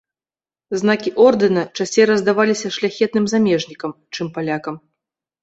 Знакі ордэна часцей раздаваліся шляхетным замежнікам, чым палякам.